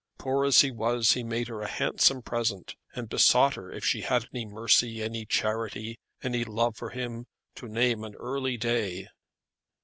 Poor as he was he made her a handsome present, and besought her if she had any mercy, any charity, any love for him, to name an early day.